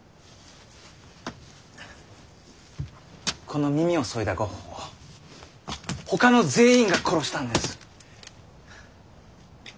この耳をそいだゴッホをほかの全員が殺したんです。